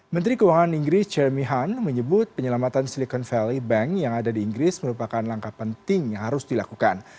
menteri keuangan inggris jermy han menyebut penyelamatan silicon valley bank yang ada di inggris merupakan langkah penting yang harus dilakukan